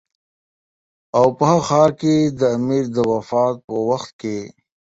او په هغه ښار کې د امیر د وفات په وخت کې.